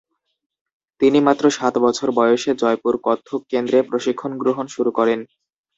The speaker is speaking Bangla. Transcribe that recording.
তিনি মাত্র সাত বছর বয়সে জয়পুর কত্থক কেন্দ্রে প্রশিক্ষণ গ্রহণ শুরু করেন।